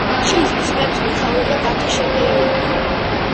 ტყის ძმებს მეთაურობდა დათო შენგელია.